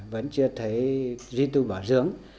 vẫn chưa thấy duy tư bảo dưỡng